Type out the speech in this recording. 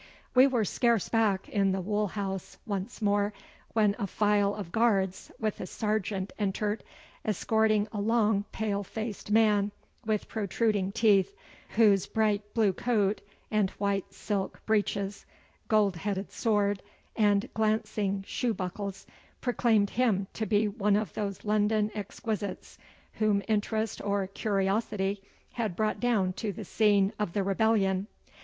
We were scarce back in the wool house once more when a file of guards with a sergeant entered, escorting a long, pale faced man with protruding teeth, whose bright blue coat and white silk breeches, gold headed sword, and glancing shoe buckles, proclaimed him to be one of those London exquisites whom interest or curiosity had brought down to the scene of the rebellion.